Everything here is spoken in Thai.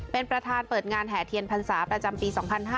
เป็นประธานเปิดงานแห่เทียนพรรษาประจำปี๒๕๕๙